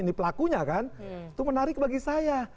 ini pelakunya kan itu menarik bagi saya